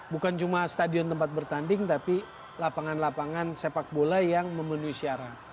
bukan cuma stadion tempat bertanding tapi lapangan lapangan sepak bola yang memenuhi syarat